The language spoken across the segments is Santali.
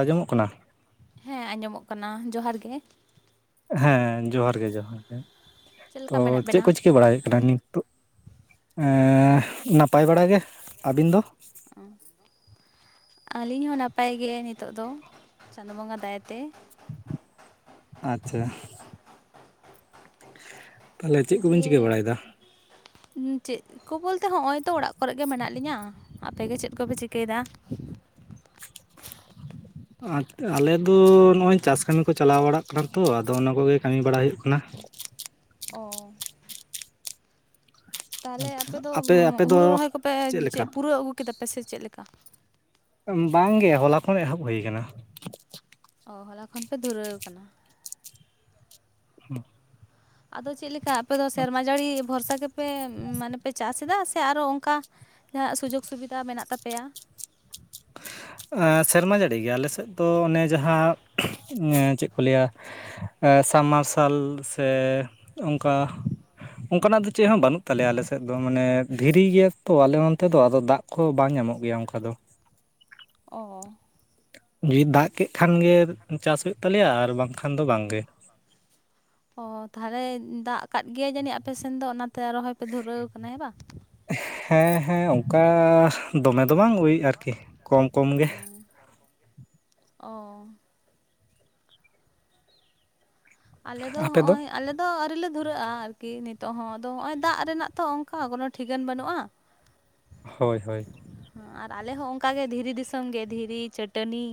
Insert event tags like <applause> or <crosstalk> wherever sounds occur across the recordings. ᱟᱡᱚᱢᱚᱜ ᱠᱟᱱᱟ ᱦᱮᱸ ᱟᱸᱡᱚᱢᱚᱜ ᱠᱟᱱᱟ ᱡᱚᱦᱟᱨ ᱜᱮ ᱦᱮᱸ ᱡᱚᱦᱟᱨ ᱜᱮ ᱡᱚᱦᱟᱨ ᱜᱮ ᱪᱮᱫ ᱛᱚ ᱞᱮᱠᱟ ᱢᱮᱱᱟᱜ ᱪᱮᱫ ᱵᱮᱱᱟ ᱠᱚ ᱪᱤᱠᱟᱹ ᱵᱟᱲᱟ ᱦᱳᱭᱳᱜ ᱠᱟᱱᱟ ᱱᱤᱛ ᱛ ᱱᱟᱯᱟᱭ ᱵᱟᱲᱟ ᱜᱮ ᱟᱹᱵᱤᱱ ᱫᱚ ᱟᱨ ᱟᱹᱞᱤᱧ ᱦᱚᱸ ᱱᱟᱯᱟᱭ ᱜᱮ ᱱᱤᱛᱚᱜ ᱫᱚ ᱪᱟᱸᱫᱳ ᱵᱚᱸᱜᱟ ᱫᱟᱭᱟ ᱛᱮ ᱟᱪᱪᱷᱟ ᱛᱟᱦᱚᱞᱮ ᱪᱮᱫ ᱠᱚᱵᱤᱱ ᱪᱤᱠᱟᱹ ᱫᱤᱭᱮ ᱵᱟᱲᱟᱭᱮᱫᱟ? ᱪᱮᱫ <unintelligible> ᱵᱚᱞᱛᱮ ᱦᱚᱸᱜᱼᱚᱭ ᱛᱚ ᱚᱲᱟᱜ ᱠᱚᱨᱮ ᱜᱮ ᱢᱮᱱᱟᱜ ᱞᱤᱧᱟᱹ ᱟᱯᱮᱜᱮ ᱪᱮᱫ ᱠᱚᱯᱮ ᱪᱤᱠᱟᱹᱭᱮᱫᱟ <inaudible> ᱟᱞᱮᱫ ᱫᱚ ᱱᱚᱜᱼᱚᱭ ᱪᱟᱥ ᱠᱟᱹᱢᱤ ᱠᱚ ᱪᱟᱞᱟᱣ ᱵᱟᱲᱟᱜ ᱠᱟᱱᱟ ᱛᱚ ᱟᱫᱚ ᱚᱱᱟ ᱠᱚᱜᱮ ᱠᱟᱹᱢᱤ ᱵᱟᱲᱟ ᱦᱩᱭᱩᱜ ᱠᱟᱱᱟ ᱚ ᱛᱟᱦᱚᱞᱮ ᱟᱪᱪᱷᱟ ᱟᱯᱮ ᱫᱚ ᱟᱯᱮ ᱦᱩᱲᱩ ᱫᱚ ᱨᱚᱦᱚᱭ ᱠᱚᱯᱮ ᱪᱮᱫ ᱞᱮᱠᱟ? ᱯᱩᱨᱟᱹᱣ ᱟᱹᱜᱩ ᱠᱮᱫᱟ ᱯᱮ ᱥᱮ ᱪᱮᱫ ᱞᱮᱠᱟ ᱵᱟᱝᱜᱮ ᱦᱚᱞᱟ ᱠᱷᱚᱱ ᱮᱦᱚᱵ ᱦᱳᱭ ᱟᱠᱟᱱᱟ ᱚ ᱦᱚᱞᱟ ᱠᱷᱚᱱ ᱯᱮ ᱫᱷᱩᱨᱟᱹᱣ ᱠᱟᱱᱟ ᱦᱮᱸ ᱟᱫᱚ ᱪᱮᱫ ᱞᱮᱠᱟ ᱟᱯᱮ ᱫᱚ ᱥᱮᱨᱢᱟ ᱡᱟᱹᱲᱤ ᱵᱷᱚᱨᱥᱟ ᱜᱮ ᱯᱮ ᱢᱟᱱᱮ ᱯᱮ ᱪᱟᱥ ᱮᱫᱟ ᱥᱮ ᱟᱨᱚ ᱚᱱᱠᱟ ᱡᱟᱦᱟᱱᱟᱜ ᱥᱩᱡᱳᱜᱽ ᱥᱩᱵᱤᱫᱟ ᱢᱮᱱᱟᱜ ᱛᱟᱯᱮᱭᱟ ᱥᱮᱨᱢᱟ ᱡᱟᱹᱲᱤ ᱜᱮ ᱟᱞᱮ ᱥᱮᱫ ᱫᱚ ᱚᱱᱮ ᱡᱟᱦᱟᱸ ᱪᱮᱫ ᱠᱚ ᱞᱟᱹᱭᱟ ᱥᱟᱢ ᱢᱟᱨᱥᱟᱞ ᱥᱮ ᱚᱱᱠᱟ ᱚᱱᱠᱟᱱᱟᱜ ᱫᱚ ᱪᱮᱫ ᱦᱚᱸ ᱵᱟᱹᱱᱩᱜ ᱛᱟᱞᱮ ᱟᱞᱮᱥᱮᱫ ᱫᱚ ᱢᱟᱱᱮ ᱫᱷᱤᱨᱤ ᱜᱮᱭᱟ ᱛᱚ ᱟᱞᱮ ᱱᱚᱱᱛᱮ ᱫᱚ ᱟᱫᱚ ᱫᱟᱜ ᱠᱚ ᱵᱟᱝ ᱧᱟᱢᱚᱜ ᱜᱮᱭᱟ ᱚᱱᱠᱟ ᱫᱚ ᱚ ᱡᱩᱫᱤ ᱫᱟᱜ ᱠᱮᱫ ᱠᱷᱟᱱ ᱜᱮ ᱪᱟᱥ ᱦᱩᱭᱩᱜ ᱛᱟᱞᱮᱭᱟ ᱟᱨ ᱵᱟᱝᱠᱷᱟᱱ ᱫᱚ ᱵᱟᱝᱜᱮ ᱚ ᱛᱟᱦᱚᱞᱮ ᱫᱟᱜ ᱟᱠᱟᱫ ᱜᱮᱭᱟᱭ ᱡᱟᱹᱱᱤᱡ ᱟᱯᱮ ᱥᱮᱱ ᱫᱚ ᱚᱱᱟᱛᱮ ᱨᱚᱦᱚᱭ ᱯᱮ ᱫᱷᱩᱨᱟᱹᱣ ᱟᱠᱟᱱᱟ ᱦᱮᱸ ᱵᱟᱝ ᱦᱮᱸ ᱦᱮᱸ ᱚᱱᱠᱟ ᱫᱚᱢᱮ ᱫᱚ ᱵᱟᱝ ᱳᱭ ᱟᱨᱠᱤ ᱠᱚᱢ ᱠᱚᱢ ᱜᱮ ᱚ ᱟᱞᱮᱫ ᱫᱚ ᱱᱚᱜᱼᱚᱭ ᱟᱞᱮ ᱫᱚ ᱟᱹᱣᱨᱤ ᱞᱮ ᱫᱷᱩᱨᱟᱹᱜᱼᱟ ᱟᱨᱠᱤ ᱱᱤᱛᱚᱜ ᱦᱚᱸ ᱟᱫᱚ ᱱᱚᱜᱼᱭ ᱫᱟᱜ ᱨᱮᱱᱟᱜ ᱛᱚ ᱚᱱᱠᱟ ᱠᱚᱱᱚ ᱴᱷᱤᱠᱟᱹᱱ ᱵᱟᱹᱱᱩᱜᱼᱟ ᱦᱳᱭ ᱦᱳᱭ ᱟᱨ ᱟᱞᱮ ᱦᱚᱸ ᱚᱱᱠᱟᱜᱮ ᱫᱷᱤᱨᱤ ᱫᱤᱥᱚᱢ ᱜᱮ ᱫᱷᱤᱨᱤ ᱪᱟᱹᱴᱟᱹᱱᱤ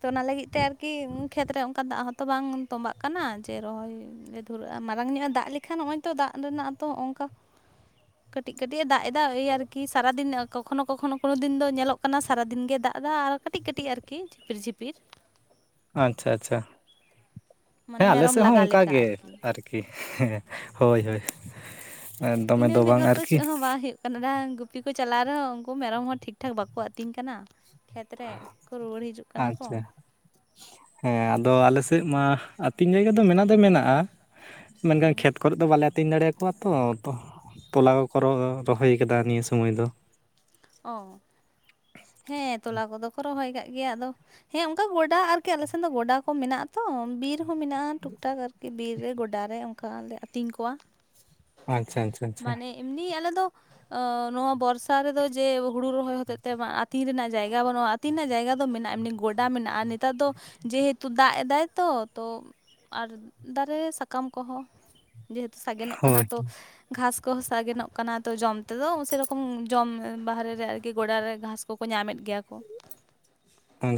ᱛᱚ ᱚᱱᱟ ᱞᱟᱹᱜᱤᱫ ᱛᱮ ᱟᱨᱠᱤ ᱠᱷᱮᱛᱨᱮ ᱚᱱᱠᱟ ᱫᱟᱜ ᱦᱚᱸᱛᱚ ᱵᱟᱝ ᱛᱵᱟᱜ ᱠᱟᱱᱟ ᱡᱮ ᱨᱚᱦᱚᱭ ᱞᱮ ᱫᱷᱩᱨᱟᱹᱜ-ᱟ ᱢᱟᱨᱟᱝ ᱧᱚᱜᱼᱟ ᱫᱟᱜ ᱞᱮᱠᱷᱟᱱ ᱱᱚᱜ-ᱚᱭ ᱛᱚ ᱫᱟᱜ ᱨᱮᱱᱟᱜ ᱛᱚ ᱚᱱᱠᱟ <inaudible> ᱠᱟᱹᱴᱤᱡ ᱠᱟᱹᱴᱤᱡ ᱮ ᱫᱟᱜ ᱮᱫᱟ ᱮᱭ ᱟᱨᱠᱤ ᱥᱟᱨᱟ ᱫᱤᱱ ᱠᱚᱠᱷᱚᱱᱳ ᱠᱚᱠᱷᱚᱱᱳ ᱠᱳᱱᱳ ᱫᱤᱱ ᱫᱚ ᱧᱮᱞᱚᱜ ᱠᱟᱱᱟ ᱥᱟᱨᱟ ᱫᱤᱱ ᱜᱮ ᱫᱟᱜ ᱮᱫᱟ ᱟᱨ ᱠᱟᱹᱴᱤᱡ ᱠᱟᱹᱴᱤᱡ ᱟᱨᱠᱤ ᱡᱷᱤᱯᱤᱨ ᱡᱷᱤᱯᱤᱨ ᱟᱪᱪᱷᱟ ᱟᱪᱪᱷᱟ ᱢᱟᱱᱮ ᱦᱮᱸ ᱟᱞᱮ ᱢᱮᱨᱚᱢ ᱥᱮᱫ ᱦᱚᱸ ᱞᱟᱜᱟ ᱚᱱᱠᱟ ᱞᱮᱠᱟ ᱜᱮ ᱟᱨᱠᱤ ᱦᱮᱸ ᱦᱳᱭ ᱦᱳᱭ ᱫᱚᱢᱮ ᱤᱱᱟᱹ ᱫᱚ ᱵᱟᱝ ᱵᱮᱜᱚᱨ ᱛᱚ ᱟᱨᱠᱤ ᱪᱮᱫ ᱦᱚᱸ ᱵᱟᱝ ᱦᱩᱭᱩᱜ ᱜᱩᱯᱤ ᱠᱚ ᱪᱟᱞᱟᱣ ᱨᱮᱦᱚᱸ ᱩᱱᱠᱩ ᱢᱮᱨᱚᱢ ᱦᱚᱸ ᱴᱷᱤᱠ ᱴᱷᱟᱠ ᱵᱟᱠᱚ ᱟᱹᱛᱤᱧ ᱠᱟᱱᱟ ᱠᱷᱮᱛ ᱨᱮ ᱠᱚ ᱨᱩᱭᱟᱹᱲ ᱦᱤᱡᱩᱜ ᱠᱟᱱᱟ ᱠᱚ ᱟᱪᱪᱷᱟ ᱦᱮᱸ ᱟᱫᱚ ᱟᱞᱮ ᱥᱮᱫ ᱢᱟ ᱟᱹᱛᱤᱧ ᱡᱟᱭᱜᱟ ᱫᱚ ᱢᱮᱱᱟᱜ ᱫᱚ ᱢᱮᱱᱟᱜ-ᱟ ᱢᱮᱱᱠᱷᱟᱱ ᱠᱷᱮᱛ ᱵᱟᱸᱛᱠᱚᱨᱮ ᱫᱚ ᱵᱟᱞᱮ ᱟᱹᱛᱤᱧ ᱫᱟᱲᱮᱭᱟᱠᱚᱣᱟ ᱛᱚ ᱛᱚᱞᱟ ᱠᱚ ᱠᱚ ᱨᱚᱦᱚᱭ ᱟᱠᱟᱫᱟ ᱱᱤᱭᱟᱹ ᱥᱚᱢᱚᱭ ᱫᱚ ᱚ ᱦᱮᱸ ᱛᱚᱞᱟ ᱠᱚᱫᱚ ᱠᱚ ᱨᱚᱦᱚᱭ ᱠᱟᱜ ᱜᱮᱭᱟ ᱟᱫᱚ ᱦᱮᱸ ᱚᱱᱠᱟ ᱜᱚᱰᱟ ᱟᱨᱠᱤ ᱟᱞᱮ ᱥᱮᱱ ᱫᱚ ᱜᱚᱰᱟ ᱠᱚ ᱢᱮᱱᱟᱜ-ᱟ ᱛᱚ ᱵᱤᱨ ᱢᱮᱱᱟᱜ-ᱟ ᱴᱩᱠ ᱴᱟᱠ ᱟᱨᱠᱤ ᱵᱤᱨ ᱨᱮ ᱜᱚᱰᱟᱨᱮ ᱚᱱᱠᱟ ᱞᱮ ᱟᱹᱛᱤᱧ ᱠᱚᱣᱟ ᱟᱪᱪᱷᱟ ᱟᱪᱷᱟ ᱟᱪᱪᱷᱟ ᱢᱟᱱᱮ ᱮᱢᱱᱤ ᱟᱞᱮᱫ ᱫᱚ ᱱᱚᱣᱟ ᱵᱚᱨᱥᱟ ᱨᱮᱫᱚ ᱡᱮ ᱦᱩᱲᱩ ᱨᱚᱦᱚᱭ ᱦᱚᱛᱮᱡ ᱛᱮ ᱟᱛᱤᱱᱧ ᱨᱮᱱᱟᱜ ᱡᱟᱭᱜᱟ ᱵᱟᱹᱱᱩᱜ-ᱟ ᱟᱛᱤᱧ ᱨᱮᱱᱟᱜ ᱡᱟᱭᱜᱟ ᱫᱚ ᱢᱮᱱᱟᱜ-ᱟ ᱮᱢᱱᱤ ᱜᱚᱰᱟ ᱢᱮᱱᱟᱜ-ᱟ ᱱᱮᱛᱟᱨ ᱫᱚ ᱡᱮᱦᱮᱛᱩ ᱫᱟᱜ ᱮᱫᱟᱭ ᱛᱚ ᱟᱨ ᱫᱟᱨᱮ-ᱨᱮ ᱥᱟᱠᱟᱢ ᱠᱚᱦᱚᱸ ᱡᱮᱦᱮᱛᱩ ᱥᱟᱜᱮᱱᱚ ᱠᱟᱱᱟ ᱦᱳᱭ ᱛᱚ ᱜᱷᱟᱥ ᱠᱚᱸ ᱥᱟᱜᱮᱱᱚᱜ ᱠᱟᱱᱟ ᱛᱚ ᱡᱚᱢ ᱛᱮᱫᱚ ᱥᱮᱨᱚᱠᱚᱢ ᱡᱚᱢ ᱵᱟᱦᱮᱨᱮ ᱨᱮ ᱟᱨᱠᱤ ᱜᱚᱰᱟᱨᱮ ᱜᱷᱟᱥ ᱠᱚ ᱠᱚᱠᱚ ᱧᱟᱢᱮᱫ ᱜᱮᱭᱟ ᱠᱚ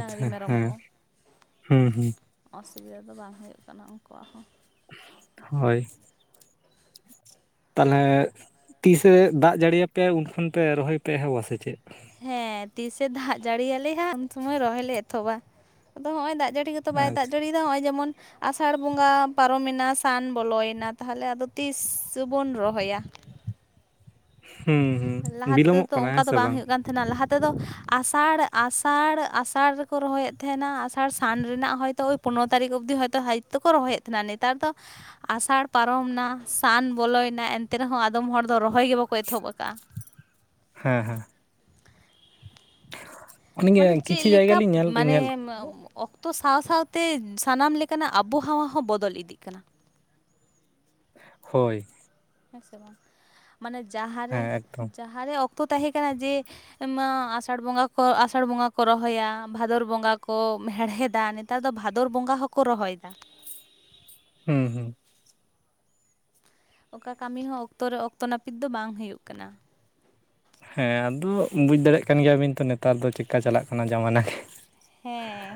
ᱰᱟᱝᱨᱤ ᱢᱮᱨᱚᱢ ᱦᱮᱸ ᱠᱚ ᱦᱩᱸ ᱦᱩᱸ ᱚᱥᱩᱵᱤᱫᱟ ᱫᱚ ᱵᱟᱝ ᱦᱩᱭᱩᱜ ᱠᱟᱱᱟ ᱩᱱᱠᱩᱣᱟᱜ ᱦᱚᱸ ᱦᱳᱭ ᱛᱟᱦᱚᱞᱮ ᱛᱤᱥᱮ ᱫᱟᱜ ᱡᱟᱹᱲᱤᱭᱟᱯᱮᱭᱟ ᱩᱱᱠᱷᱚᱱ ᱯᱮ ᱨᱚᱦᱚᱭ ᱯᱮ ᱮᱦᱚᱸᱵᱟ ᱥᱮ ᱪᱮᱫ ᱦᱮᱸ ᱛᱤᱥ-ᱮ ᱫᱟᱜ ᱡᱟᱹᱲᱤᱭᱟᱞᱮ ᱦᱟᱜ ᱩᱱ ᱥᱚᱢᱚᱭ ᱨᱚᱦᱚᱭ-ᱞᱮ ᱮᱛᱚᱦᱚᱵᱟ ᱟᱫᱚ ᱱᱚᱦᱚᱜ ᱫᱟᱜ ᱡᱟᱹᱲᱤ ᱠᱟᱛᱮ ᱱᱤᱛᱚ ᱵᱟᱭ ᱟᱪᱪᱷᱟ ᱫᱟᱡᱟᱲᱤᱭᱫᱟ ᱱᱚᱼᱚᱭ ᱡᱮᱢᱚᱱ ᱟᱥᱟᱲ ᱵᱚᱸᱜᱟ ᱯᱟᱨᱚᱢᱮᱱᱟ ᱥᱟᱱ ᱵᱚᱞᱚᱭᱮᱱᱟ ᱛᱟᱦᱚᱞᱮ ᱟᱫᱚ ᱛᱤᱥ ᱵᱚᱱ ᱨᱚᱦᱚᱭᱟ ᱦᱩᱸ ᱦᱩᱸ ᱞᱟᱦᱟ ᱵᱤᱞᱚᱢᱚᱜ ᱛᱮᱫᱚ ᱠᱟᱱᱟ ᱚᱱᱠᱟ ᱦᱮᱸ ᱫᱚ ᱥᱮ ᱵᱟᱝ ᱦᱩᱭᱩᱜ ᱠᱟᱱ ᱛᱟᱦᱮᱱᱟ ᱞᱟᱦᱟ ᱛᱮᱫᱚ ᱟᱥᱟᱲ ᱟᱥᱟᱲ ᱟᱥᱟᱲ ᱨᱮᱠᱚ ᱨᱚᱦᱚᱭᱮᱫ ᱛᱟᱦᱮᱱᱟ ᱟᱥᱟᱲ ᱥᱟᱱ ᱨᱮᱱᱟᱜ ᱦᱚᱭᱛᱚ ᱯᱚᱱᱮᱨᱚ ᱛᱟᱹᱨᱤᱠᱷ ᱚᱵᱫᱤ ᱦᱚᱭᱛᱳ ᱦᱟᱵᱤᱡ ᱛᱮᱠᱚ ᱨᱚᱦᱚᱭᱮᱫ ᱛᱟᱦᱮᱱᱟ ᱱᱮᱛᱟᱨ ᱫᱚ ᱟᱥᱟᱲ ᱯᱟᱨᱚᱢ ᱱᱟ ᱥᱟᱱ ᱵᱚᱞᱚᱭᱮᱱᱟ ᱮᱱᱛᱮ ᱨᱮᱦᱚᱸ ᱟᱫᱚᱢ ᱦᱚᱲ ᱫᱚ ᱨᱚᱦᱚᱭ ᱜᱮ ᱵᱟᱠᱚ ᱮᱛᱚᱦᱚᱵ ᱟᱠᱟᱜ-ᱟ ᱦᱮᱸ ᱦᱮᱸ ᱚᱱᱮᱜᱮ ᱢᱟᱱᱮ ᱪᱮᱫ ᱠᱤᱪᱷᱩ ᱡᱟᱭᱜᱟ ᱞᱮᱠᱟ ᱞᱤᱧ ᱧᱮᱞ ᱢᱟᱱᱮ ᱧᱮᱞ ᱚᱠᱛᱚ ᱥᱟᱶ ᱥᱟᱶᱛᱮ ᱥᱟᱱᱟᱢ ᱞᱮᱠᱟᱱᱟᱜ ᱟᱵᱚᱦᱟᱣᱟ ᱦᱚᱸ ᱵᱚᱫᱚᱞ ᱤᱫᱤᱹᱜ ᱠᱟᱱᱟ ᱦᱳᱭ ᱦᱮᱸ ᱥᱮ ᱵᱟᱝ ᱢᱟᱱᱮ ᱦᱮᱸ ᱡᱟᱦᱟᱸᱨᱮ ᱮᱠᱫᱚᱢ ᱡᱟᱦᱟᱸᱨᱮ ᱚᱠᱛᱚ ᱛᱟᱦᱮᱸ ᱠᱟᱱᱟ ᱡᱮ ᱚᱱᱟ ᱟᱥᱟᱲ ᱵᱚᱸᱜᱟ ᱠᱚ ᱟᱥᱟᱲ ᱵᱚᱸᱜᱟ ᱠᱚ ᱨᱚᱦᱚᱭᱟ ᱵᱷᱟᱫᱚᱨ ᱵᱚᱸᱜᱟ ᱠᱚ ᱦᱮᱲᱦᱮᱫᱟ ᱱᱮᱛᱟᱨ ᱱᱮᱛᱟᱨ ᱫᱚ ᱵᱷᱟᱫᱚᱨ ᱵᱚᱸᱜᱟ ᱦᱚᱠᱚ ᱨᱚᱦᱚᱭ-ᱮᱫᱟ ᱦᱩᱸ ᱦᱩᱸ ᱚᱠᱟ ᱠᱟᱹᱢᱤ ᱦᱚᱸ ᱚᱠᱛᱚ ᱨᱮ ᱚᱠᱛᱚ ᱱᱟᱹᱯᱤᱛ ᱫᱚ ᱵᱟᱝ ᱦᱩᱭᱩᱜ ᱠᱟᱱᱟ ᱦᱮᱸ ᱟᱫᱚ ᱵᱩᱡ ᱫᱟᱲᱮᱭᱟᱜ ᱠᱟᱱ ᱜᱮᱭᱟᱵᱤᱱ ᱛᱚ ᱱᱮᱛᱟᱨ ᱫᱚ ᱪᱮᱫᱠᱟ ᱪᱟᱞᱟᱜ ᱠᱟᱱᱟ ᱡᱟᱢᱟᱱᱟ ᱜᱮ ᱦᱮᱸ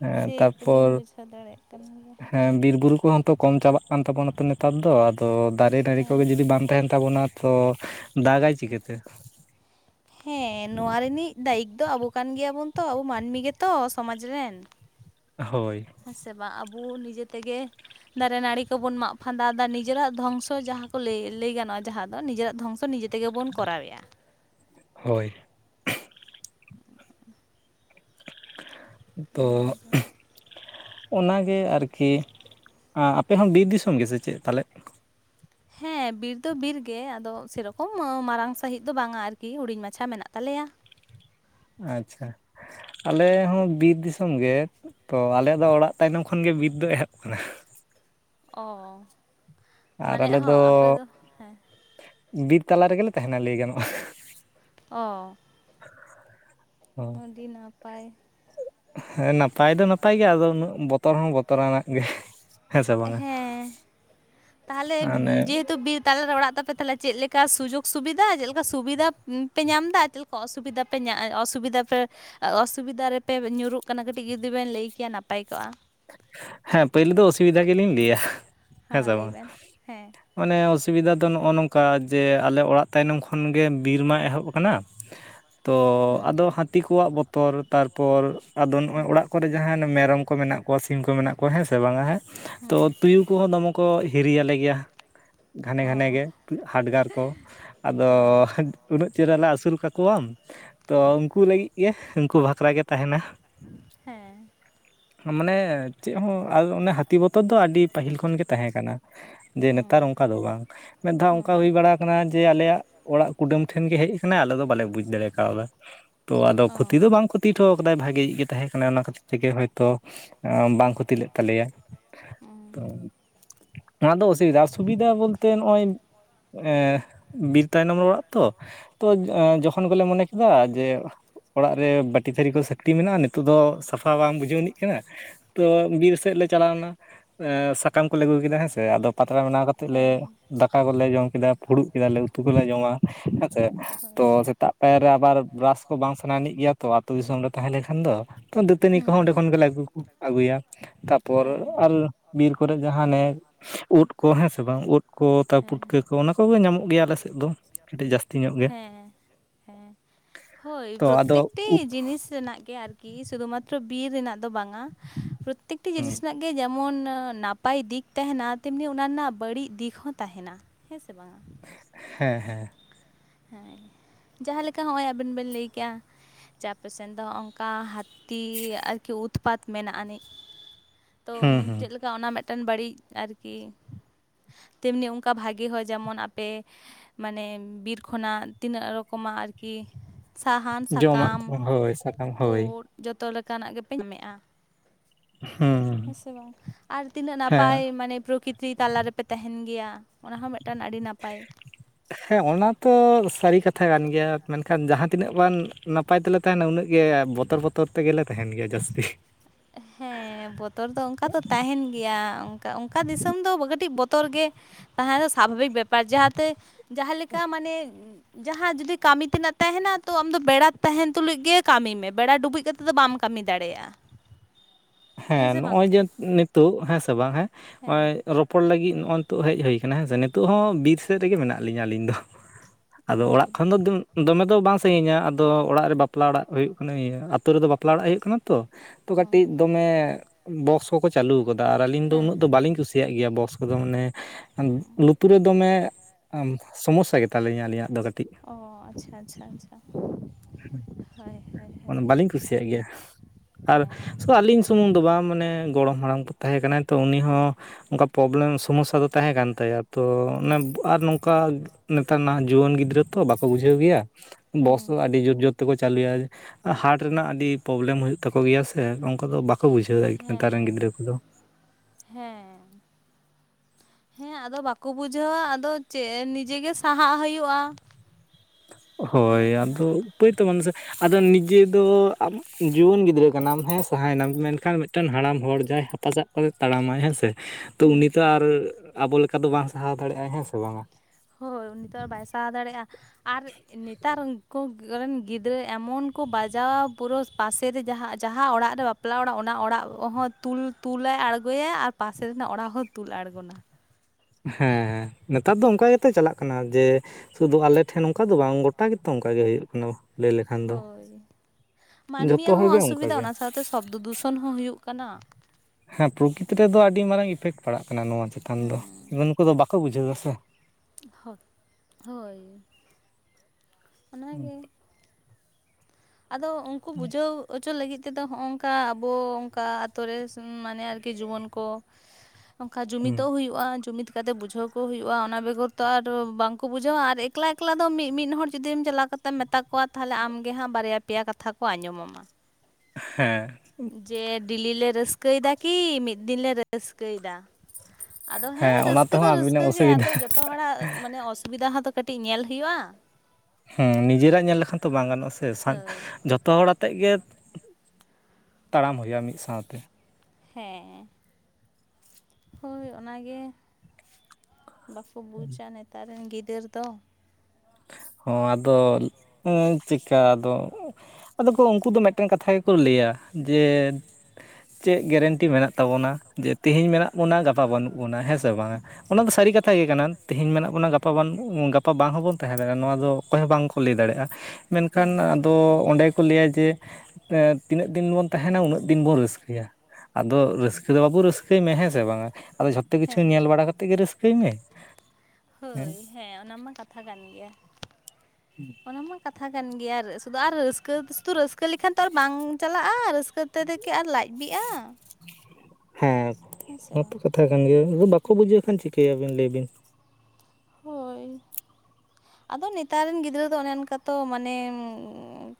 ᱦᱮᱸ ᱥᱮ ᱛᱞᱤᱧ ᱛᱟᱨᱯᱚᱨ ᱵᱩᱡᱷᱟᱹᱣ ᱫᱟᱲᱮᱭᱟᱜ ᱠᱟᱱ ᱜᱮᱭᱟ ᱦᱮᱸ ᱵᱤᱨ ᱵᱩᱨᱩ ᱠᱚᱦᱚᱸ ᱛᱚ ᱠᱚᱢ ᱪᱟᱵᱟᱜ ᱠᱟᱱ ᱛᱟᱵᱚᱱᱟ ᱛᱚ ᱱᱮᱛᱟᱨ ᱫᱚ ᱟᱫᱚ ᱫᱟᱨᱮ ᱱᱟᱲᱤᱜᱮ ᱦᱮᱸ ᱡᱩᱫᱤ ᱵᱟᱝ ᱛᱟᱦᱮᱱ ᱛᱟᱵᱚᱱᱟ ᱛᱚ ᱫᱟᱜᱟᱭ ᱪᱤᱠᱟᱹᱛᱮ ᱦᱮᱸ ᱱᱚᱣᱟ ᱨᱤᱱᱤᱡ ᱫᱟᱭᱤᱛ ᱫᱚ ᱟᱵᱚ ᱠᱟᱱ ᱜᱮᱭᱟᱵᱚᱱ ᱛᱚ ᱟᱵᱚ ᱢᱟᱹᱱᱢᱤ ᱜᱮᱛᱚ ᱥᱚᱢᱟᱡ ᱨᱮᱱ ᱦᱳᱭ ᱦᱮᱸ ᱥᱮ ᱵᱟᱝ ᱟᱵᱚ ᱱᱤᱡᱮ ᱛᱮᱜᱮ ᱫᱟᱨᱮ ᱱᱟᱹᱲᱤ ᱠᱚᱵᱚᱱ ᱢᱟᱜ ᱯᱷᱟᱸᱫᱟᱣᱮᱫᱟ ᱱᱤᱡᱮᱨᱟᱜ ᱫᱷᱚᱝᱥᱚ ᱡᱟᱦᱟᱸ ᱠᱚ ᱞᱟᱹᱭ ᱞᱟᱹᱭ ᱜᱟᱱᱚᱜᱼᱟ ᱡᱟᱦᱟᱸ ᱫᱚ ᱱᱤᱡᱮᱨᱟᱜ ᱫᱷᱚᱝᱥᱚ ᱱᱤᱡᱮ ᱛᱮᱜᱮ ᱵᱚᱱ ᱠᱚᱨᱟᱣᱮᱫᱼᱟ ᱦᱳᱭ ᱛᱚ ᱚᱱᱟᱜᱮ ᱚᱱᱟᱜᱮ ᱟᱨᱠᱤ ᱟᱯᱮ ᱦᱚᱸ ᱵᱤᱨ ᱫᱤᱥᱚᱢ ᱜᱮ ᱥᱮᱪᱮᱫ ᱯᱟᱞᱮᱫ ᱦᱮᱸ ᱵᱤᱨ ᱫᱚ ᱵᱤᱨ ᱜᱮ ᱟᱫᱚ ᱥᱮᱨᱚᱠᱚᱢ ᱢᱟᱨᱟᱝ ᱥᱟᱹᱦᱤᱡ ᱫᱚ ᱵᱟᱝᱟ ᱟᱨᱠᱤ ᱦᱩᱰᱤᱧ ᱢᱟᱪᱷᱟ ᱢᱮᱱᱟᱜ ᱛᱟᱞᱮᱭᱟ ᱟᱪᱪᱷᱟ ᱟᱞᱮ ᱦᱚᱸ ᱵᱤᱨ ᱫᱤᱥᱚᱢ ᱜᱮ ᱛᱚ ᱟᱞᱮ ᱫᱚ ᱚᱲᱟᱜ ᱛᱟᱭᱱᱚᱢ ᱠᱷᱚᱱᱜᱮ ᱵᱤᱨ ᱫᱚ ᱮᱦᱚᱵ ᱟᱠᱟᱱᱟ ᱚ ᱟᱨ ᱢᱟᱱᱮ ᱟᱞᱮ ᱦᱚᱸ ᱫᱚ ᱟᱯᱮ ᱦᱮᱸ ᱵᱤᱨ ᱛᱟᱞᱟ ᱨᱮᱜᱮᱞᱮ ᱛᱟᱦᱮᱱᱟ ᱞᱟᱹᱭ ᱜᱟᱱᱚᱜᱼᱟ ᱚ <inaudible> ᱚ ᱟᱹᱰᱤ ᱱᱟᱯᱟᱭ ᱦᱮᱸ ᱱᱟᱯᱟᱭ ᱫᱚ ᱱᱟᱯᱟᱭ ᱜᱮ ᱟᱫᱚ ᱩᱱᱟᱹᱜ ᱵᱚᱛᱚᱨ ᱦᱚᱸ ᱵᱚᱛᱚᱨ ᱟᱱᱟᱜ ᱜᱮ ᱦᱮᱸ ᱥᱮ ᱵᱟᱝᱟ ᱦᱮᱸ ᱛᱟᱦᱚᱞᱮ ᱢᱟᱱᱮ ᱡᱮᱦᱮᱛᱩ ᱵᱤᱨ ᱛᱟᱞᱟᱨᱮ ᱚᱲᱟᱜ ᱛᱟᱯᱮ ᱛᱟᱦᱮᱞᱮ ᱪᱮᱫ ᱞᱮᱠᱟ ᱥᱩᱡᱳᱜᱽ ᱥᱩᱵᱤᱫᱷᱟ ᱪᱮᱫ ᱞᱮᱠᱟ ᱥᱩᱵᱤᱫᱷᱟ ᱯᱮ ᱧᱟᱢ ᱮᱫᱟ ᱪᱮᱫ ᱚᱥᱩᱵᱤᱫᱟ ᱯᱮ ᱧᱟᱢ ᱚᱥᱩᱵᱤᱫᱟ ᱯᱮ ᱚᱥᱩᱵᱤᱫᱷᱟ ᱨᱮᱯᱮ ᱧᱩᱨᱩᱜ ᱠᱟᱱᱟ ᱠᱟᱹᱴᱤᱡ ᱡᱩᱫᱤ ᱵᱮᱱ ᱞᱟᱹᱭ ᱠᱮᱭᱟ ᱱᱟᱯᱟᱭ ᱠᱚᱜᱼᱟ ᱦᱮᱸ ᱯᱳᱭᱞᱳ ᱫᱚ ᱚᱥᱩᱵᱤᱫᱷᱟ ᱜᱮᱞᱤᱧ ᱞᱟᱹᱭᱟ ᱦᱮᱸ ᱦᱚᱸ ᱥᱮ ᱞᱟᱹᱭ ᱵᱟᱝ ᱵᱮᱱ ᱦᱮᱸ ᱢᱟᱱᱮ ᱚᱥᱩᱵᱤᱫᱟ ᱫᱚ ᱱᱚᱜᱼᱚ ᱱᱚᱝᱠᱟ ᱡᱮ ᱟᱞᱮ ᱚᱲᱟᱜ ᱛᱟᱭᱱᱚᱢ ᱠᱷᱚᱱ ᱜᱮ ᱵᱤᱨᱢᱟ ᱮᱦᱚᱵ ᱟᱠᱟᱱᱟ ᱛᱚ ᱦᱩᱸ ᱟᱫᱚ ᱦᱟᱹᱛᱤ ᱠᱚᱣᱟᱜ ᱵᱚᱛᱚᱨ ᱛᱟᱨᱯᱚᱨ ᱟᱫᱚ ᱱᱚᱜᱼᱚᱭ ᱚᱲᱟᱜ ᱠᱚᱨᱮ ᱡᱟᱦᱟ ᱢᱮᱨᱚᱢ ᱠᱚ ᱢᱮᱱᱟᱜ ᱠᱚᱣᱟ ᱥᱤᱢ ᱠᱚ ᱢᱮᱱᱟᱜ ᱠᱚᱣᱟ ᱦᱮᱸ ᱥᱮ ᱵᱟᱝᱟ ᱦᱮᱸ ᱛᱚ ᱦᱩᱸ ᱛᱩᱭᱩ ᱠᱚᱦᱚᱸ ᱫᱚᱢᱮ ᱠᱚ ᱦᱤᱨᱤᱭᱟᱞᱮ ᱜᱮᱭᱟ ᱜᱷᱟᱱᱮ ᱜᱷᱟᱱᱮᱜ ᱚ ᱜᱮ ᱦᱟᱰᱜᱟᱨ ᱠᱚ ᱟᱫᱚ ᱚ ᱩᱱᱟᱹᱜ ᱪᱮᱦᱨᱟ ᱞᱮ ᱟᱹᱥᱩᱞ ᱠᱟᱠᱚᱣᱟᱢ ᱛᱚ ᱩᱱᱠᱩ ᱞᱟᱹᱜᱤᱫ ᱜᱮ ᱩᱱᱠᱩ ᱵᱷᱟᱠᱷᱨᱟᱜ ᱜᱮ ᱛᱟᱦᱮᱱᱟ <inaudible> ᱦᱮᱸ ᱢᱟᱱᱮ ᱪᱮᱫ ᱦᱚᱸ ᱟᱨ ᱚᱱᱮ ᱦᱟᱹᱛᱤ ᱵᱚᱛᱚᱨ ᱫᱚ ᱟᱹᱰᱤ ᱯᱟᱹᱦᱤᱞ ᱠᱷᱚᱱ ᱜᱮ ᱛᱟᱦᱮᱸ ᱠᱟᱱᱟ ᱡᱮ ᱦᱩᱸ ᱱᱮᱛᱟᱨ ᱚᱱᱠᱟ ᱫᱚ ᱵᱟᱝ ᱢᱤᱫ ᱫᱷᱟᱣ ᱚᱱᱠᱟ ᱦᱩᱸ ᱦᱩᱭ ᱵᱟᱲᱟ ᱠᱟᱱᱟ ᱡᱮ ᱟᱞᱮᱭᱟᱜ ᱚᱲᱟᱜ ᱠᱩᱰᱟᱹᱢ ᱴᱷᱮᱱ ᱜᱮ ᱦᱮᱡ ᱟᱠᱟᱱᱟᱭ ᱟᱞᱮ ᱫᱚ ᱵᱟᱞᱮ ᱵᱩᱡ ᱫᱟᱲᱮ ᱠᱟᱣᱫᱟ ᱛᱚ ᱟᱫᱚ ᱚ ᱠᱷᱚᱛᱤ ᱫᱚ ᱵᱟᱝ ᱠᱷᱚᱛᱤ ᱛᱤ ᱦᱚᱴᱚ ᱠᱟᱫᱟᱭ ᱵᱷᱟᱜᱮ ᱜᱮ ᱛᱟᱦᱮᱸ ᱠᱟᱱᱟ ᱚᱱᱟ ᱠᱷᱟᱹᱛᱤᱨ ᱛᱮᱜᱮ ᱦᱳᱭ ᱛᱚ ᱵᱟᱝ ᱠᱷᱚᱛᱤ ᱞᱮ ᱛᱟᱞᱮᱭᱟ ᱛᱚ ᱚᱱᱟ ᱫᱚ ᱚᱥᱩᱵᱤᱫᱟ ᱥᱩᱵᱤᱫᱟ ᱵᱚᱞᱛᱮ ᱱᱚᱜᱼᱚᱭ ᱮ ᱵᱤᱨ ᱛᱟᱭᱱᱚᱢ ᱨᱮ ᱚᱲᱟᱜ ᱛᱚ ᱛᱚ ᱡᱚᱠᱷᱚᱱ ᱜᱮᱞᱮ ᱢᱚᱱᱮ ᱠᱮᱫᱟ ᱡᱮ ᱚᱲᱟᱜ ᱨᱮ ᱵᱟᱴ ᱴᱤ ᱛᱷᱟᱹᱨᱤ ᱠᱚ ᱥᱟᱠᱲᱤ ᱢᱮᱱᱟᱜᱼᱟ ᱱᱤᱛᱚᱜ ᱫᱚ ᱥᱟᱯᱷᱟ ᱵᱟᱝ ᱵᱩᱡᱷᱟᱹᱣᱱᱤᱡ ᱠᱟᱱᱟ ᱛᱚ ᱵᱤᱨ ᱥᱮᱫ ᱪᱟᱞᱟᱣ ᱮᱱᱟ ᱥᱟᱠᱟᱢ ᱠᱚᱞᱮ ᱟᱜᱩ ᱠᱮᱫᱟ ᱦᱮ ᱥᱮ ᱟᱫᱚ ᱯᱟᱛᱲᱟ ᱵᱮᱱᱟᱣ ᱠᱟᱛᱮ ᱞᱮ ᱦᱮᱸ ᱫᱟ ᱫᱟᱠᱟ ᱠᱚᱞᱮ ᱡᱚᱢ ᱠᱮᱫᱟ ᱯᱷᱩᱲᱩᱜ ᱠᱮᱫᱟᱞᱮ ᱩᱛᱩ ᱠᱚᱞᱮ ᱡᱚᱢᱟ ᱦᱮᱸ ᱪᱮ ᱦᱳᱭ ᱛᱚ ᱥᱮᱛᱟᱜ ᱯᱷᱮᱨ ᱟᱵᱟᱨ ᱵᱟᱨᱟᱥ ᱠᱚ ᱵᱟᱝ ᱥᱟᱱᱟᱭᱱᱤᱜ ᱜᱮᱭᱟ ᱛᱚ ᱟᱛᱩ ᱫᱤᱥᱚᱢ ᱨᱮ ᱛᱟᱦᱮᱸ ᱞᱮᱱᱠᱷᱟᱱ ᱫᱚ ᱫᱟᱹᱛᱟᱹᱱᱤ ᱦᱩᱸ ᱠᱚᱦᱚᱸ ᱚᱰᱮ ᱠᱷᱚᱱ ᱜᱮᱞᱮ ᱩᱱᱠᱩ ᱠᱚ ᱟᱹᱜᱩᱭᱟ ᱛᱟᱯᱚᱨ ᱦᱮᱸ ᱟᱨ ᱵᱤᱨ ᱠᱚᱨᱮ ᱡᱟᱦᱟᱸᱱ <inaudible> ᱩᱫ ᱠᱚ ᱦᱮᱸ ᱥᱮ ᱵᱟᱝ ᱩᱫ ᱠᱚ ᱛᱟ ᱦᱮᱸ ᱯᱩᱴᱠᱟᱹ ᱠᱚ ᱚᱱᱟ ᱠᱚᱜᱮ ᱧᱟᱢᱚᱜ ᱜᱮᱭᱟ ᱟᱞᱮᱥᱮᱫ ᱫᱚ ᱠᱟᱹᱴᱤᱡ ᱡᱟᱹᱥᱛᱤ ᱧᱚᱜ ᱜᱮ ᱦᱮᱸ ᱦᱳᱭ ᱛᱚ ᱟᱫᱚ ᱯᱚᱨᱚᱛᱮᱠᱴᱤ ᱩᱫ ᱡᱤᱱᱤᱥ ᱨᱮᱱᱟᱜ ᱜᱮ ᱟᱨ ᱠᱤ ᱥᱩᱫᱷᱩ ᱢᱟᱛᱨᱚ ᱵᱤᱨ ᱨᱮᱱᱟᱜ ᱫᱚ ᱵᱟᱝᱟ ᱯᱨᱚᱛᱮᱠᱴᱤ ᱦᱮᱸ ᱡᱤᱱᱤᱥ ᱨᱮᱱᱟᱜ ᱜᱮ ᱡᱮᱢᱚᱱ ᱱᱟᱯᱟᱭ ᱫᱤᱠ ᱛᱟᱦᱮᱱᱟ ᱛᱮᱢᱱᱤ ᱚᱱᱟ ᱨᱮᱱᱟᱜ ᱵᱟᱹᱲᱤᱡ ᱫᱤᱠ ᱦᱚᱸ ᱛᱟᱦᱮᱱᱟ ᱦᱮᱸ ᱥᱮ ᱵᱟᱝᱟ ᱦᱮᱸ ᱦᱮᱸ ᱦᱮᱸ ᱡᱟᱦᱟᱸ ᱞᱮᱠᱟ ᱦᱚᱸᱜᱼᱚᱭ ᱟᱵᱤᱱ ᱵᱤᱱ ᱞᱟᱹᱭ ᱠᱮᱜᱼᱟ ᱡᱮ ᱟᱯᱮ ᱥᱮᱱ ᱫᱚ ᱦᱚᱸᱚ ᱚᱱᱠᱟ ᱦᱟᱹᱛᱤ ᱟᱨᱠᱤ ᱩᱛᱯᱟᱛ ᱢᱮᱱᱟᱜ ᱟᱹᱱᱤᱡ ᱛᱚ ᱦᱮᱸ ᱦᱮᱸ ᱪᱮᱫ ᱞᱮᱠᱟ ᱚᱱᱟ ᱢᱤᱫᱴᱟᱱ ᱵᱟᱹᱲᱤᱡ ᱟᱨᱠᱤ ᱛᱮᱢᱱᱤ ᱚᱱᱠᱟ ᱵᱷᱟᱜᱤ ᱦᱚᱸ ᱡᱮᱢᱚᱱ ᱟᱯᱮ ᱢᱟᱱᱮ ᱵᱤᱨ ᱠᱚ ᱠᱷᱚᱱᱟᱜ ᱛᱤᱱᱟᱹᱜ ᱨᱚᱠᱚᱢᱟᱜ ᱟᱨᱠᱤ ᱥᱟᱦᱟᱱ ᱡᱚᱢᱟᱜ ᱥᱟᱠᱟᱢ ᱠᱚ ᱦᱳᱭ ᱥᱟᱠᱟᱢ ᱦᱳᱭ ᱩᱫ ᱡᱚᱛᱚ ᱞᱮᱠᱟᱱᱟᱜ ᱜᱮᱯᱮ ᱧᱟᱢ ᱮᱜᱼᱟ ᱦᱩᱸ ᱦᱮᱸᱥᱮ ᱵᱟᱝᱟ ᱟᱨ ᱛᱤᱱᱟᱹᱜ ᱱᱟᱯᱟᱭ ᱢᱟᱱᱮ ᱯᱚᱨᱚᱠᱤᱛᱤ ᱛᱟᱞᱟᱨᱮ ᱯᱮ ᱛᱟᱦᱮᱱ ᱜᱮᱭᱟ ᱚᱱᱟ ᱦᱚᱸ ᱢᱤᱫᱴᱟᱝ ᱟᱹᱰᱤ ᱱᱟᱯᱟᱭ ᱦᱮᱸ ᱚᱱᱟ ᱛᱚ ᱥᱟᱹᱨᱤ ᱠᱟᱛᱷᱟ ᱠᱟᱱ ᱜᱮᱭᱟ ᱢᱮᱱᱠᱷᱟᱱ ᱡᱟᱦᱟᱸ ᱛᱤᱱᱟᱹᱜ ᱜᱟᱱ ᱱᱟᱯᱟᱭ ᱛᱮᱞᱮ ᱛᱟᱦᱮᱸᱱᱟ ᱩᱱᱟᱹᱜ ᱜᱮ ᱵᱚᱛᱚᱨ ᱵᱚᱛᱚᱨ ᱛᱮᱜᱮ ᱛᱟᱦᱮᱸᱱ ᱜᱮᱭᱟ ᱡᱟᱹᱥᱛᱤ ᱦᱮᱸ ᱵᱚᱛᱚᱨ ᱫᱚ ᱚᱱᱠᱟ ᱫᱚ ᱛᱟᱦᱮᱱ ᱜᱮᱭᱟ ᱚᱱᱠᱟ ᱚᱱᱠᱟ ᱫᱤᱥᱚᱢ ᱫᱚ ᱠᱟᱹᱴᱤᱡ ᱵᱚᱛᱚᱨ ᱜᱮ ᱛᱟᱦᱮᱸ ᱫᱚ ᱥᱟᱵᱷᱟᱵᱤᱠ ᱵᱮᱯᱟᱨ ᱡᱟᱦᱟᱸᱛᱮ ᱡᱟᱦᱟᱸ ᱞᱮᱠᱟ ᱢᱟᱱᱮ ᱡᱟᱦᱟᱸ ᱡᱩᱫᱤ ᱠᱟᱹᱢᱤ ᱛᱮᱱᱟᱜ ᱛᱟᱦᱮᱸᱱᱟ ᱛᱚ ᱟᱢ ᱫᱚ ᱵᱮᱲᱟ ᱛᱟᱦᱮᱸᱱ ᱛᱩᱞᱩᱡ ᱜᱮ ᱠᱟᱹᱢᱤ ᱢᱮ ᱵᱮᱲᱟ ᱰᱩᱵᱩᱡ ᱠᱟᱛᱮ ᱛᱮᱫᱚ ᱵᱟᱢ ᱠᱟᱹᱢᱤ ᱫᱟᱲᱮᱭᱟᱜᱼᱟ ᱦᱮᱸ ᱥᱮ ᱱᱚᱜᱼᱚᱭ ᱵᱟᱝᱟ ᱡᱮ ᱱᱤᱛᱚᱜ ᱦᱮᱸ ᱥᱮ ᱵᱟᱝ ᱦᱮᱸ ᱱᱚᱜᱼᱚᱭ ᱦᱮᱸ ᱨᱚᱯᱚᱲ ᱞᱟᱹᱜᱤᱫ ᱱᱚᱜᱼᱚᱭ ᱱᱤᱛᱚᱜ ᱦᱮᱡ ᱦᱩᱭ ᱟᱠᱟᱱᱟ ᱦᱮᱸ ᱥᱮ ᱱᱤᱛᱚᱜ ᱦᱚᱸ ᱵᱤᱨ ᱥᱮᱫ ᱨᱮᱜᱮ ᱢᱮᱱᱟᱜ ᱞᱤᱧᱟᱹ ᱟᱹᱞᱤᱧ ᱫᱚ ᱚ ᱟᱫᱚ ᱚᱲᱟᱜ ᱠᱷᱚᱱ ᱫᱚ ᱫᱚᱢᱮ ᱫᱚ ᱵᱟᱝ ᱥᱟᱹᱜᱤᱧᱟ ᱟᱫᱚ ᱚᱲᱟᱜ ᱨᱮ ᱵᱟᱯᱞᱟ ᱚᱲᱟᱜ ᱦᱩᱭᱩᱜ ᱠᱟᱱᱟ ᱤᱭᱟᱹ ᱟ ᱟᱹᱛᱩ ᱨᱮᱫᱚ ᱵᱟᱯᱞᱟ ᱚᱲᱟᱜ ᱦᱩᱭᱩᱜ ᱠᱟᱱᱟ ᱛᱚ ᱛᱚ ᱚ ᱠᱟᱹᱴᱤᱡ ᱫᱚᱢᱮ ᱵᱚᱠᱥ ᱠᱚᱠᱚ ᱪᱟᱹᱞᱩ ᱟᱠᱟᱫᱟ ᱟᱨ ᱟᱹᱞᱤᱧ ᱫᱚ ᱦᱮᱸ ᱩᱱᱟᱹᱜ ᱫᱚ ᱵᱟᱞᱤᱧ ᱦᱮᱸ ᱠᱩᱥᱤᱭᱟᱜ ᱜᱮᱭᱟ ᱵᱚᱠᱥ ᱠᱚᱫᱚ ᱢᱟᱱᱮ ᱦᱮᱸ ᱞᱩᱛᱩᱨ ᱨᱮ ᱫᱚᱢᱮ ᱥᱚᱢᱚᱥᱥᱟ ᱜᱮᱛᱟ ᱞᱤᱧᱟ ᱟᱹᱞᱤᱧᱟᱜ ᱫᱚ ᱠᱟᱹᱴᱤᱡ ᱚ ᱟᱪᱪᱷᱟ ᱟᱪᱪᱷᱟ ᱟᱪᱪᱷᱟ ᱦᱳᱭ ᱦᱳᱭ ᱦᱳᱭ ᱚᱱᱟ ᱵᱟᱹᱞᱤᱧ ᱠᱩᱥᱤᱭᱟᱜ ᱜᱮᱭᱟ ᱟᱨ ᱦᱮᱸ ᱟᱹᱞᱤᱧ ᱥᱩᱢᱩᱝ ᱫᱚ ᱵᱟᱝ ᱢᱟᱱᱮ ᱜᱚᱲᱚᱢ ᱦᱟᱲᱟᱢ ᱠᱚ ᱛᱟᱦᱮᱸ ᱠᱟᱱᱟᱭ ᱛᱚ ᱩᱱᱤ ᱦᱚᱸ ᱚᱱᱠᱟ ᱯᱨᱚᱵᱞᱮᱢ ᱥᱚᱢᱚᱥᱥᱟ ᱫᱚ ᱛᱟᱦᱮᱸ ᱠᱟᱱ ᱛᱟᱭᱟ ᱛᱚ ᱚᱱᱮ ᱟᱨ ᱱᱚᱝᱠᱟ ᱱᱮᱛᱟᱨ ᱱᱟ ᱡᱩᱣᱟᱹᱱ ᱜᱤᱫᱽᱨᱟᱹ ᱛᱚ ᱵᱟᱠᱚ ᱵᱩᱡᱷᱟᱹᱣ ᱜᱮᱭᱟ ᱦᱩᱸ ᱵᱚᱠᱥ ᱟᱹᱰᱤ ᱡᱳᱨ ᱡᱳᱨ ᱛᱮᱠᱚ ᱪᱟᱹᱞᱩᱭᱟ ᱦᱟᱨᱴ ᱨᱮᱱᱟᱜ ᱟᱹᱰᱤ ᱯᱨᱚᱵᱞᱮᱢ ᱦᱩᱭᱩᱜ ᱛᱟᱠᱚ ᱜᱮᱭᱟ ᱥᱮ ᱚᱠᱟ ᱫᱚ ᱵᱟᱠᱚ ᱵᱩᱡᱷᱟᱹᱣ ᱮᱫᱟ ᱱᱮᱛᱟᱨ ᱨᱮᱱ ᱜᱤᱫᱽᱨᱟᱹ ᱦᱮᱸ ᱠᱚᱫᱚ ᱦᱮᱸ ᱦᱮᱸ ᱟᱫᱚ ᱵᱟᱠᱚ ᱵᱩᱡᱷᱟᱹᱣᱼᱟ ᱟᱫᱚ ᱪᱮᱫ ᱱᱤᱡᱮ ᱜᱮ ᱥᱟᱦᱟᱜ ᱦᱩᱭᱩᱜᱼᱟ ᱚᱸᱰᱮ ᱦᱳᱭ ᱟᱫᱚ ᱠᱷᱚᱱᱟᱜ ᱩᱯᱟᱹᱭ ᱛᱚ ᱵᱟᱝ ᱥᱮ ᱟᱫᱚ ᱱᱤᱡᱮ ᱫᱚ ᱡᱩᱣᱟᱹᱱ ᱜᱤᱫᱽᱨᱟᱹ ᱠᱟᱱᱟᱢ ᱦᱮᱸ ᱥᱟᱦᱟᱭᱮᱱᱟᱢ ᱢᱮᱱᱠᱷᱟᱱ ᱢᱤᱫᱴᱟᱝ ᱦᱟᱲᱟᱢ ᱦᱚᱲ ᱡᱟᱦᱟᱸᱭ ᱦᱟᱯᱟ ᱥᱟᱵ ᱠᱟᱛᱮ ᱛᱟᱲᱟᱢᱟᱭ ᱦᱮᱸ ᱥᱮ ᱛᱚ ᱦᱩᱸ ᱩᱱᱤ ᱛᱚ ᱟᱨ ᱟᱵᱚ ᱞᱮᱠᱟ ᱫᱚ ᱵᱟᱝ ᱥᱟᱦᱟᱣ ᱫᱟᱲᱮᱭᱟᱜᱼᱟᱭ ᱦᱮᱸ ᱥᱮ ᱵᱟᱝᱼᱟ ᱦᱳᱭ ᱩᱱᱤᱛᱚ ᱟᱨ ᱵᱟᱭ ᱥᱟᱦᱟᱣ ᱫᱟᱲᱮᱭᱟᱜᱼᱟ ᱟᱨ ᱱᱮᱛᱟᱨ ᱩᱱᱠᱩ ᱨᱮᱱ ᱜᱤᱫᱽᱨᱟᱹ ᱮᱢᱚᱱ ᱠᱚ ᱵᱟᱡᱟᱣᱼᱟ ᱯᱩᱨᱟᱹ ᱯᱟᱥᱮᱨᱮ ᱡᱟᱦᱟᱸ ᱡᱟᱦᱟᱸ ᱚᱲᱟᱜ ᱨᱮ ᱵᱟᱯᱞᱟ ᱵᱟᱯᱞᱟ ᱚᱲᱟᱜ ᱚᱱᱟ ᱚᱲᱟᱜ ᱦᱚᱸ ᱛᱩᱞ ᱛᱩᱞᱟᱭ ᱟᱬᱜᱚᱭᱟ ᱟᱨ ᱯᱟᱥᱮ ᱨᱮᱱᱟᱜ ᱚᱲᱟᱜ ᱦᱚᱸ ᱛᱩᱞ ᱟᱬᱜᱚᱱᱟ ᱦᱮᱸ ᱱᱮᱛᱟᱨ ᱫᱚ ᱚᱱᱠᱟ ᱜᱮᱛᱚ ᱪᱟᱞᱟᱜ ᱠᱟᱱᱟ ᱡᱮ ᱥᱩᱫᱷᱩ ᱟᱞᱮᱴᱷᱮᱱ ᱚᱱᱠᱟ ᱫᱚ ᱵᱟᱝ ᱜᱚᱴᱟ ᱜᱮᱛᱚ ᱚᱱᱠᱟ ᱜᱮ ᱦᱩᱭᱩᱜ ᱠᱟᱱᱟ ᱞᱟᱹᱭ ᱞᱮᱠᱷᱟᱱ ᱫᱚ ᱦᱳᱭ ᱡᱚᱛᱚ ᱢᱟᱹᱱᱢᱤᱭᱟᱜ ᱦᱚᱲ ᱦᱚᱸ ᱜᱮ ᱚᱱᱠᱟ ᱚᱥᱩᱵᱤᱫᱟ ᱜᱮ ᱚᱱᱟ ᱥᱟᱶᱛᱮ ᱥᱚᱵᱽᱫᱚ ᱫᱩᱥᱚᱱ ᱦᱚᱸ ᱦᱩᱭᱩᱜ ᱠᱟᱱᱟ ᱦᱮᱸ ᱯᱨᱚᱠᱤᱛᱤ ᱨᱮᱫᱚ ᱟᱹᱰᱤ ᱢᱟᱨᱟᱝ ᱤᱯᱷᱮᱠᱴ ᱯᱟᱲᱟᱜ ᱠᱟᱱᱟ ᱱᱚᱣᱟ ᱪᱮᱛᱟᱱ ᱫᱚ ᱦᱮᱸ ᱩᱱᱠᱩ ᱫᱚ ᱵᱟᱠᱚ ᱵᱩᱡᱷᱟᱹᱣ ᱮᱫᱟ ᱥᱮ ᱦᱳᱭ ᱦᱳᱭ ᱦᱩᱸ ᱚᱱᱟᱜᱮ ᱟᱫᱚ ᱩᱱᱠᱩ ᱵᱩᱡᱷᱟᱹᱣ ᱦᱚᱪᱚ ᱞᱟᱹᱜᱤᱫ ᱛᱮᱫᱚ ᱦᱚᱜ-ᱚᱱᱚᱝᱠᱟ ᱟᱵᱚ ᱚᱱᱠᱟ ᱟᱛᱳ ᱨᱮ ᱢᱟᱱᱮ ᱟᱨᱠᱤ ᱡᱩᱣᱟᱹᱱ ᱠᱚ ᱚᱱᱠᱟ ᱡᱩᱢᱤᱫᱚᱜ ᱦᱩᱭᱩᱜᱼᱟ ᱡᱩᱢᱤᱫ ᱠᱟᱛᱮ ᱵᱩᱡᱷᱟᱹᱣ ᱠᱚ ᱦᱩᱭᱩᱜᱼᱟ ᱚᱱᱟ ᱵᱮᱜᱚᱨ ᱛᱚ ᱟᱨ ᱵᱟᱝᱠᱚ ᱵᱩᱡᱷᱟᱹᱣᱼᱟ ᱟᱨ ᱮᱠᱞᱟ ᱮᱠᱞᱟ ᱫᱚ ᱢᱤᱫ ᱢᱤᱫ ᱦᱚᱲ ᱡᱩᱫᱤᱢ ᱪᱟᱞᱟᱣ ᱠᱟᱛᱮᱢ ᱢᱮᱛᱟ ᱠᱚᱣᱟ ᱛᱟᱦᱚᱞᱮ ᱟᱢᱜᱮ ᱦᱟᱸᱜ ᱵᱟᱨᱭᱟ ᱯᱮᱭᱟ ᱠᱟᱛᱷᱟ ᱠᱚ ᱟᱸᱡᱚᱢᱟᱢᱟ ᱦᱮᱸ ᱡᱮ ᱰᱮᱞᱤ ᱞᱮ ᱨᱟᱹᱥᱠᱟᱹᱭ ᱮᱫᱟ ᱠᱤ ᱢᱤᱫ ᱫᱤᱱ ᱞᱮ ᱨᱟᱹᱥᱠᱟᱹᱭᱮᱫᱟ ᱟᱫᱚ ᱦᱮᱸ ᱚᱱᱟ ᱨᱟᱹᱥᱠᱟᱹ ᱛᱮᱦᱚᱸ ᱫᱚ ᱟᱹᱵᱤᱱᱟᱜ ᱨᱟᱹᱥᱠᱟᱹ ᱜᱮ ᱚᱥᱩᱵᱤᱫᱷᱟ ᱟᱫᱚ ᱡᱚᱛᱚ ᱦᱚᱲᱟᱜ ᱢᱟᱱᱮ ᱚᱥᱩᱵᱤᱫᱟ ᱦᱚᱸᱛᱚ ᱠᱟᱹᱴᱤᱡ ᱧᱮᱞ ᱦᱩᱭᱩᱜᱼᱟ ᱦᱮᱸ ᱱᱤᱡᱮᱨᱟᱜ ᱧᱮᱞ ᱞᱮᱠᱷᱟᱱ ᱛᱚ ᱵᱟᱝ ᱜᱟᱱᱚᱜᱼᱟ ᱥᱮ ᱦᱳᱭ ᱡᱚᱛᱚ ᱦᱚᱲ ᱟᱛᱮᱫ ᱜᱮ ᱛᱟᱲᱟᱢ ᱦᱩᱭᱩᱜᱼᱟ ᱢᱤᱫ ᱥᱟᱶᱛᱮ ᱦᱮᱸ ᱦᱳᱭ ᱚᱱᱟᱜᱮ ᱵᱟᱠᱚ ᱵᱩᱡᱟ ᱱᱮᱛᱟᱨ ᱨᱮᱱ ᱜᱤᱫᱟᱹᱨ ᱫᱚ ᱦᱚᱸ ᱟᱫᱚ ᱪᱮᱠᱟ ᱟᱫᱚ ᱟᱫᱚ ᱠᱚ ᱩᱱᱠᱩ ᱫᱚ ᱢᱤᱫᱴᱮᱱ ᱠᱟᱛᱷᱟ ᱜᱮ ᱠᱚ ᱞᱟᱹᱭᱟ ᱡᱮ ᱪᱮᱫ ᱜᱮᱨᱮᱱᱴᱤ ᱢᱮᱱᱟᱜ ᱛᱟᱵᱚᱱᱟ ᱡᱮ ᱛᱮᱦᱮᱧ ᱢᱮᱱᱟᱜ ᱵᱚᱱᱟ ᱜᱟᱯᱟ ᱵᱟᱹᱱᱩᱜ ᱵᱚᱱᱟ ᱦᱮᱸᱥᱮ ᱥᱮ ᱵᱟᱝᱟ ᱚᱱᱟ ᱫᱚ ᱥᱟᱹᱨᱤ ᱠᱟᱛᱷᱟ ᱜᱮ ᱠᱟᱱᱟ ᱛᱮᱦᱤᱧ ᱢᱮᱱᱟᱜ ᱵᱚᱱᱟ ᱜᱟᱯᱟ ᱵᱟᱝ ᱜᱟᱯᱟ ᱵᱟᱝ ᱦᱚᱸᱵᱚᱱ ᱛᱟᱦᱮᱸ ᱫᱟᱲᱮᱭᱟᱜᱼᱟ ᱱᱚᱣᱟ ᱫᱚ ᱚᱠᱚᱭ ᱦᱚᱸ ᱵᱟᱝᱠᱚ ᱞᱟᱹᱭ ᱫᱟᱲᱮᱭᱟᱜᱼᱟ ᱦᱮᱸ ᱢᱮᱱᱠᱷᱟᱱ ᱟᱫᱚ ᱚᱸᱰᱮ ᱠᱚ ᱞᱟᱹᱭᱟ ᱡᱮ ᱮ ᱛᱤᱱᱟᱹᱜ ᱫᱤᱱ ᱵᱚᱱ ᱛᱟᱦᱮᱱᱟ ᱩᱱᱟᱹᱜ ᱫᱤᱱ ᱵᱚᱱ ᱨᱟᱹᱥᱠᱟᱹᱭᱟ᱾ ᱟᱫᱚ ᱨᱟᱹᱥᱠᱟᱹ ᱫᱚ ᱵᱟᱵᱩ ᱨᱟᱹᱥᱠᱟᱹᱭ ᱢᱮ ᱦᱮᱸ ᱥᱮ ᱵᱟᱝᱟ ᱟᱫᱚ ᱡᱷᱚ ᱛᱚ ᱠᱤᱪᱷᱩ ᱦᱮᱸ ᱧᱮᱞ ᱵᱟᱲᱟ ᱠᱟᱛᱮᱫ ᱜᱮ ᱨᱟᱹᱥᱠᱟᱹᱭ ᱢᱮ ᱦᱮᱸ᱾ ᱦᱳᱭ ᱦᱮᱸ ᱚᱱᱟ ᱢᱟ ᱠᱟᱛᱷᱟ ᱠᱟᱱ ᱜᱮᱭᱟ᱾ <inaudible> ᱚᱱᱟ ᱢᱟ ᱠᱟᱛᱷᱟ ᱠᱟᱱ ᱜᱮᱭᱟ ᱟᱨ ᱥᱩᱫᱷᱩ ᱟᱨ ᱨᱟᱹᱥᱠᱟᱹ ᱥᱩᱫᱷᱩ ᱨᱟᱹᱥᱠᱟᱹ ᱞᱮᱠᱷᱟᱱ ᱛᱚ ᱟᱨ ᱵᱟᱝ ᱪᱟᱞᱟᱜᱼᱟ ᱨᱟᱹᱥᱠᱟᱹ ᱛᱮ ᱠᱤ ᱟᱨ ᱞᱟᱡ ᱵᱤᱜᱼᱟ? ᱦᱮᱸ ᱥᱮ ᱚᱱᱟ ᱛᱚ ᱵᱟᱝ ᱠᱟᱛᱷᱟ ᱠᱟᱱ ᱜᱮᱭᱟ ᱟᱫᱚ ᱵᱟᱠᱚ ᱵᱩᱡᱷᱟᱹᱣ ᱠᱷᱟᱱ ᱪᱤᱠᱟᱹᱭᱟᱵᱤᱱ ᱞᱟᱹᱭ ᱵᱤᱱ? ᱦᱳᱭ <inaudible> ᱟᱫᱚ ᱱᱮᱛᱟᱨ ᱨᱮᱱ ᱜᱤᱫᱽᱨᱟᱹ ᱫᱚ ᱚᱱᱮ ᱚᱱᱠᱟ ᱛᱚ ᱢᱟᱱᱮ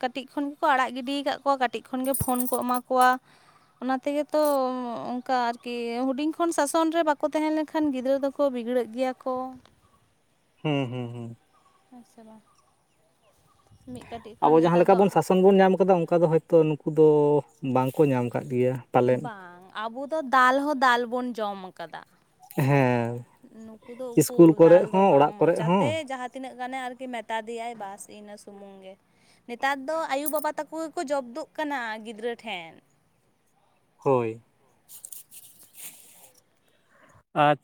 ᱠᱟᱹᱴᱤᱡ ᱠᱷᱚᱱ ᱜᱮᱠᱚ ᱟᱲᱟᱜ ᱜᱤᱰ ᱠᱟᱫ ᱠᱚᱣᱟ ᱠᱟᱹᱴᱤᱡ ᱠᱷᱚᱱᱜᱮ ᱯᱷᱳᱱ ᱠᱚ ᱮᱢᱟ ᱠᱚᱣᱟ᱾ ᱚᱱᱟ ᱛᱮᱜᱮ ᱛᱚ ᱚᱝᱠᱟ ᱟᱨᱠᱤ ᱦᱩᱰᱤᱧ ᱠᱷᱚᱱ ᱥᱟᱥᱚᱱ ᱨᱮ ᱵᱟᱠᱚ ᱛᱟᱦᱮᱸ ᱞᱮᱱᱠᱷᱟᱱ ᱜᱤᱫᱽᱨᱟᱹ ᱫᱚ ᱠᱚ ᱵᱤᱜᱽᱲᱟᱹᱜ ᱜᱮᱭᱟ ᱠᱚ᱾ ᱦᱩᱸ ᱦᱩᱸ ᱦᱩᱸ ᱦᱮᱸ ᱥᱮ ᱵᱟᱝ? ᱢᱤᱫ ᱠᱟ ᱟᱵᱚ ᱡᱟᱦᱟᱸ ᱞᱮᱠᱟ ᱵᱚᱱ ᱥᱟᱥᱚᱱ ᱵᱚᱱ ᱧᱟᱢ ᱠᱟᱫᱟ ᱚᱱᱠᱟ ᱫᱚ ᱦᱳᱭᱛᱟ ᱱᱩᱠᱩ ᱫᱚ ᱵᱟᱝᱠᱚ ᱧᱟᱢ ᱠᱟᱜ ᱜᱮᱭᱟ᱾ ᱯᱟᱞᱮᱱ ᱵᱟᱝ ᱟᱵᱚ ᱫᱚ ᱫᱟᱞ ᱦᱚᱸ ᱫᱟᱞ ᱵᱩᱱ ᱡᱚᱢ ᱠᱟᱫᱟ᱾ ᱦᱮᱸ ᱱᱩᱠᱩ ᱫᱚ ᱩᱠᱩᱨ ᱤᱥᱠᱩᱞ ᱫᱟᱞ ᱠᱚᱨᱮᱜ ᱫᱚ ᱦᱚᱸ ᱵᱟᱝ ᱚᱲᱟᱜ ᱠᱚᱨᱮᱜ ᱢᱚᱪᱟᱛᱮ ᱦᱚᱸ ᱡᱟᱦᱟᱸ ᱛᱤᱱᱟᱹᱜ ᱜᱟᱱᱮ ᱟᱨᱠᱤ ᱢᱮᱛᱟ ᱫᱮᱭᱟᱭ ᱵᱟᱥ ᱤᱱᱟᱹ ᱥᱩᱢᱩᱝ ᱜᱮ᱾ ᱱᱮᱛᱟᱨ ᱫᱚ ᱟᱭᱳ ᱵᱟᱵᱟ ᱛᱟᱠᱚ ᱜᱮᱠᱚ ᱡᱚᱵᱫᱩᱜ ᱠᱟᱱᱟ ᱜᱤᱫᱽᱨᱟᱹ ᱴᱷᱮᱱ᱾ ᱦᱳᱭ ᱟᱪ